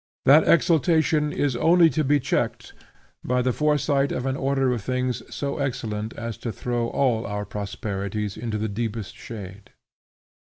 That exultation is only to be checked by the foresight of an order of things so excellent as to throw all our prosperities into the deepest shade.